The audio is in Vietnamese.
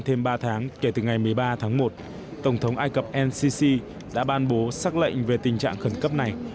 thêm ba tháng kể từ ngày một mươi ba tháng một tổng thống ai cập ncc đã ban bố xác lệnh về tình trạng khẩn cấp này